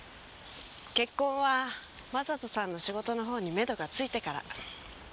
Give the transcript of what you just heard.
結婚は真人さんの仕事の方にメドがついてから。